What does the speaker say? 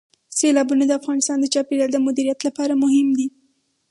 سیلابونه د افغانستان د چاپیریال د مدیریت لپاره مهم دي.